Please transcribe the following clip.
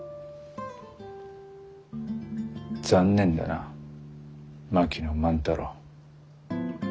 残念だな槙野万太郎。